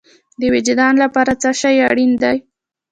د وجدان لپاره څه شی اړین دی؟